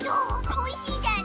おいしいじゃり？